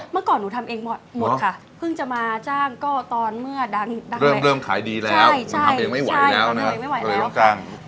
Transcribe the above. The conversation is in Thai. เมื่อก่อนหนูทำเองหมดค่ะเพิ่งจะมาจ้างก็ตอนเมื่อเริ่มขายดีแล้วทำเองไม่ไหวแล้วนะครับ